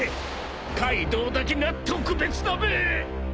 ［カイドウだけが特別だべ！］